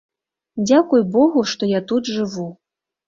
Дзякуй богу, што я тут жыву.